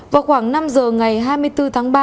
vào khoảng năm giờ ngày hai mươi bốn tháng ba